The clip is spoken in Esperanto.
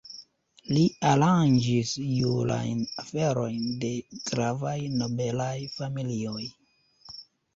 Li aranĝis jurajn aferojn de gravaj nobelaj familioj.